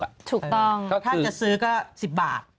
ถ้าจะซื้อก็๑๐บาท